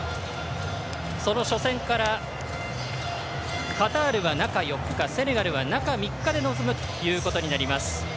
その初戦からカタールが中４日セネガルは中３日で臨むということになります。